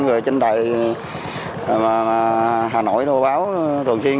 rồi trên đài hà nội đồ báo thường xuyên